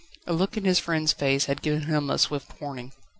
A look in his friend's face had given him a swift warning.